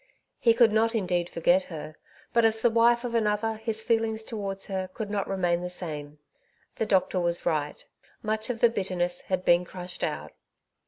He could not indeed forget her, but as the wife of another his feelings towards her could not remain the same. The doctor was right ; much of the bitterness had been crushed out.